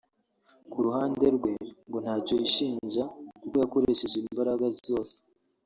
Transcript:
ku ruhande rwe ngo ntacyo yishinja kuko yakoresheje imbaraga zose